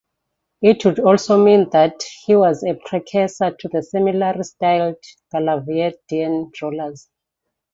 It would also mean that he was a precursor to the similarly-styled Gallovidian rulers.